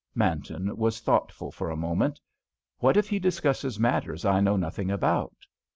Manton was thoughtful for a moment. "What if he discusses matters I know nothing about?